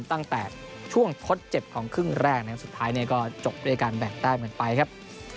ตั้งแต่ช่วงคลอดเจ็บของครึ่งแรกสุดท้ายก็จบด้วยการแบ่งได้หมายไปครับ